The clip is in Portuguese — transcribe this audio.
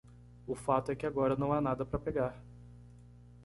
O fato é que agora não há nada para pegar.